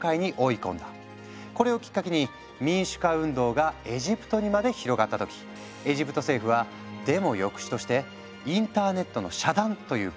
これをきっかけに民主化運動がエジプトにまで広がった時エジプト政府はデモ抑止としてインターネットの遮断という暴挙に出たんだ。